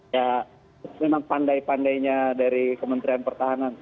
ya memang pandai pandainya dari kementerian pertahanan